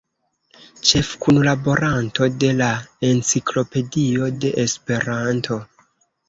Ĉefkunlaboranto de la Enciklopedio de Esperanto.